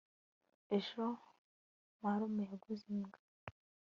ejo marume yaguze imbwa